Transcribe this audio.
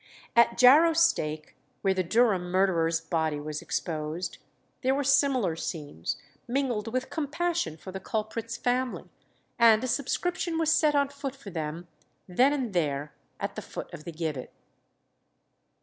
At Jarrow Stake, where the Durham murderer's body was exposed, there were similar scenes, mingled with compassion for the culprit's family, and a subscription was set on foot for them then and there at the foot of the gibbet.